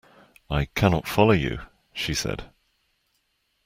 I cannot follow you, she said.